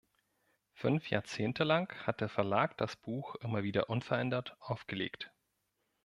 Fünf Jahrzehnte lang hat der Verlag das Buch immer wieder unverändert aufgelegt.